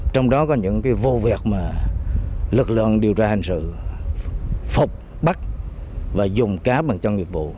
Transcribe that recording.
trong đó có những vô vẹt mà lực lượng điều tra hành sự phục bắt và dùng cá bằng trong nhiệm vụ